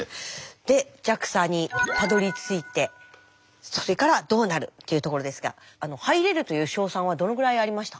でＪＡＸＡにたどりついてそれからどうなるっていうところですがあの入れるという勝算はどのぐらいありました？